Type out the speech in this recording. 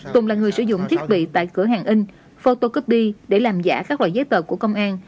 tùng là người sử dụng thiết bị tại cửa hàng in photocoby để làm giả các loại giấy tờ của công an